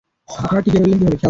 আপনারা টিকে রইলেন কীভাবে?